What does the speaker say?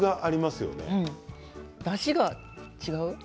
だしが違う？